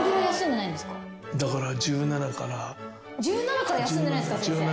１７から休んでないんですか先生。